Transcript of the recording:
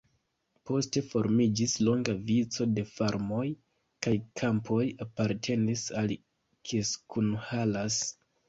Poste formiĝis longa vico de farmoj, la kampoj apartenis al Kiskunhalas.